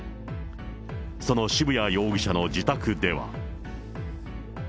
その渋谷容疑者の自宅では。